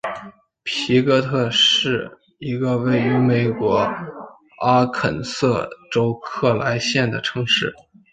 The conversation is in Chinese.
皮哥特是一个位于美国阿肯色州克莱县的城市。